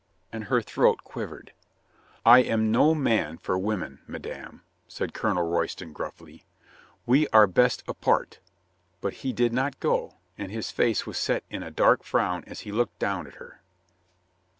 and her throat quivered. "I am no man for women, madame," said Colonel Royston gruffly. "We are best apart," but he did not go, and his face was set in a dark frown as he looked down at her.